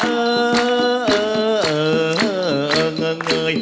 เออเออ